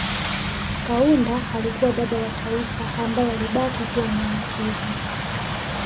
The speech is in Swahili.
Kaunda alikuwa baba wa taifa ambaye alibakia kuwa mnyenyekevu